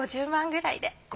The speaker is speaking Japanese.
５０万くらいで。